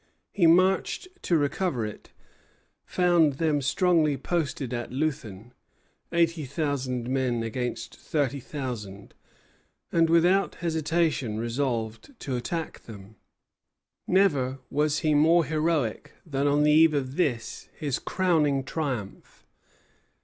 He marched to recover it, found them strongly posted at Leuthen, eighty thousand men against thirty thousand, and without hesitation resolved to attack them. Never was he more heroic than on the eve of this, his crowning triumph.